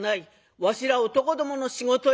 わしら男どもの仕事や」。